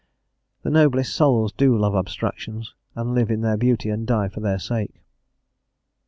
The noblest souls do love abstractions, and live in their beauty and die for their sake.